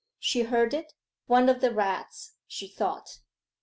She heard it. 'One of the rats,' she thought.